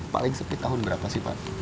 paling sempit tahun berapa sih pak